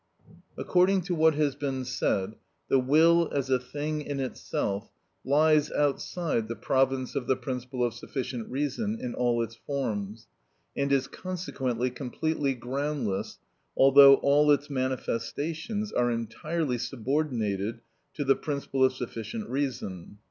According to what has been said, the will as a thing in itself lies outside the province of the principle of sufficient reason in all its forms, and is consequently completely groundless, although all its manifestations are entirely subordinated to the principle of sufficient reason.